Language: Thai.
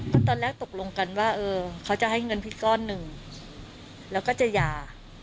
เพราะตอนแรกตกลงกันว่าเออเขาจะให้เงินพี่ก้อนหนึ่งแล้วก็จะหย่า